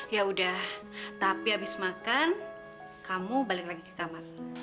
yaudah tapi abis makan kamu balik lagi ke kamar